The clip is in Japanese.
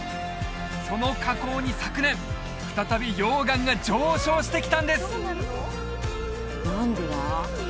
その火口に昨年再び溶岩が上昇してきたんです